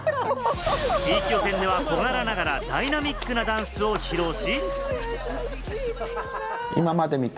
地域予選では小柄ながらダイナミックなダンスを披露し。